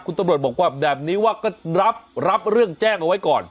คุณตำรวจบอกว่าแบบนี้ว่าก็รับเรื่องแจ้งเอาไว้ก่อน